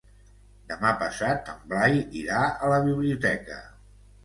Demà passat en Blai irà a la biblioteca.